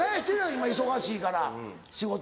今忙しいから仕事。